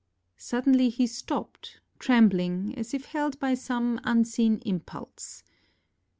Suddenly he stopped, trembling, as if held by some unseen impulse.